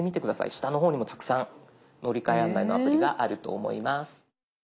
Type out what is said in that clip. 下の方にもたくさん乗り換え案内のアプリがあると思います。